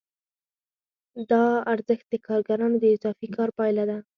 دا ارزښت د کارګرانو د اضافي کار پایله ده